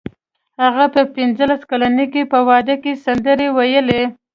هغه په پنځلس کلنۍ کې په واده کې سندرې وویلې